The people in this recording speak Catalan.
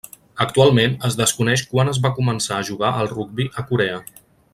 Actualment es desconeix quan es va començar a jugar al rugbi a Corea.